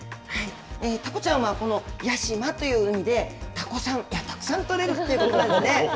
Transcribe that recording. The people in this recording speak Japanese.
タコちゃんは、この屋島という海で、タコさん、いや、たくさんとれるということなんですね。